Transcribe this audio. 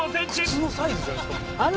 靴のサイズじゃないですか。